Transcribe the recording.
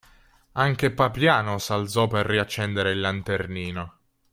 Anche Papiano s'alzò per riaccendere il lanternino.